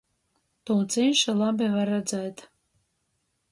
Tū cīši labi var redzēt.